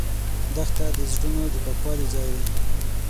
دښته د زړونو د پاکوالي ځای ده.